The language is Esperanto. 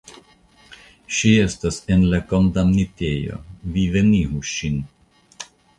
Ŝi estas en la kondamnitejo, vi venigu ŝin.